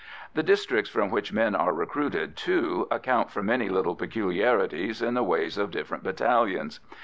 The districts from which men are recruited, too, account for many little peculiarities in the ways of different battalions.